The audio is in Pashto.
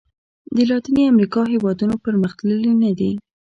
د لاتیني امریکا هېوادونو پرمختللي نه دي.